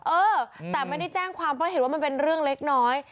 เออแต่ไม่ได้แจ้งความเพราะเห็นว่ามันเป็นเรื่องเล็กน้อย